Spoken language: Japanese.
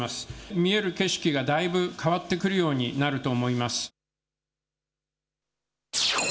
見える景色がだいぶ変わってくるようになると思います。